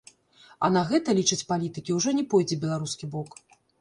А на гэта, лічаць палітыкі, ужо не пойдзе беларускі бок.